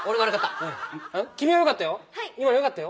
君はよかったよ。